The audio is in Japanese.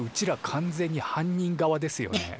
完全に犯人側ですよね？